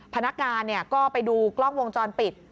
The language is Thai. พนักงานก็ไปดูกล้องวงจรปิด